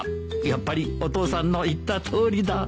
やっぱりお父さんの言ったとおりだ